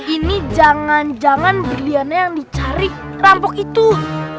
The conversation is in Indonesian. ini jangan jangan berian yang dicari rampok itu yang ajar di menangkap byat